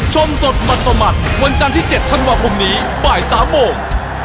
ชมสดหมัดประหมัดวันจานที่๗ธันวาคมนี้บ่าย๓โมง